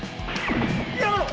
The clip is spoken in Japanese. やめろ！